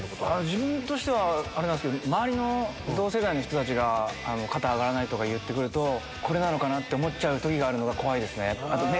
自分としてはあれなんですけど周りの同世代の人たちが肩上がらないとか言って来るとこれなのかな？って思っちゃう時が怖いですね。